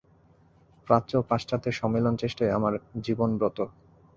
প্রাচ্য ও পাশ্চাত্যের সম্মিলন-চেষ্টাই আমার জীবনব্রত।